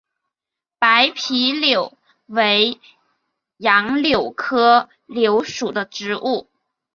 白皮柳为杨柳科柳属的植物。